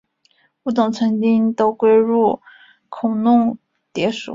物种曾经都归入孔弄蝶属。